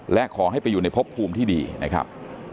และขอให้ไปอยู่ในพบภูมิที่ดีนะครับ